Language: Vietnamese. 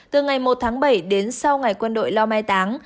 từ ngày một tháng bảy đến sau ngày quân đội lo mai táng